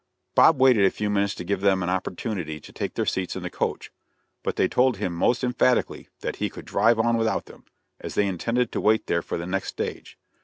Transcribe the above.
Bob waited a few minutes to give them an opportunity to take their seats in the coach, but they told him most emphatically that he could drive on without them, as they intended to wait there for the next stage.